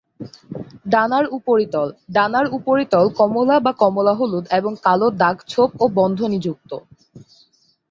ডানার উপরিতল: ডানার উপরিতল কমলা বা কমলা-হলুদ এবং কালো দাগ-ছোপ ও বন্ধনী যুক্ত।